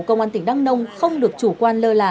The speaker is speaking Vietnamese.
công an tỉnh đắk nông không được chủ quan lơ là